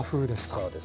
そうですね。